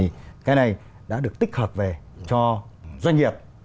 thì cái này đã được tích hợp về cho doanh nghiệp